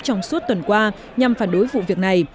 trong suốt tuần qua nhằm phản đối vụ việc này